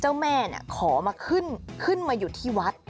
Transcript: เจ้าแม่ขอมาขึ้นมาอยู่ที่วัด